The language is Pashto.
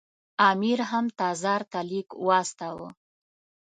امیر هم تزار ته لیک واستاوه.